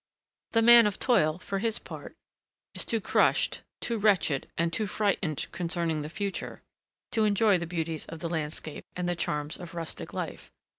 The man of toil, for his part, is too crushed, too wretched, and too frightened concerning the future, to enjoy the beauties of the landscape and the charms of rustic life.